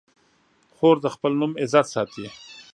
خور د خپل نوم عزت ساتي.